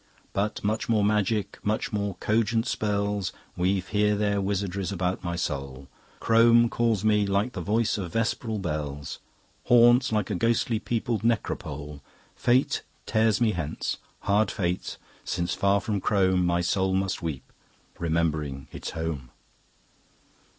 But much more magic, much more cogent spells Weave here their wizardries about my soul. Crome calls me like the voice of vesperal bells, Haunts like a ghostly peopled necropole. Fate tears me hence. Hard fate! since far from Crome My soul must weep, remembering its Home."